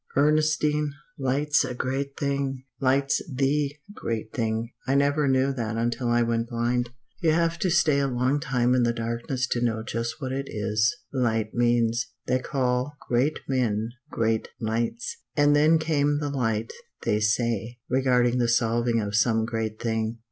"Ernestine, light's a great thing. Light's the great thing. I never knew that until I went blind. You have to stay a long time in the darkness to know just what it is light means. "They call great men 'great lights.' 'And then came the light,' they say, regarding the solving of some great thing.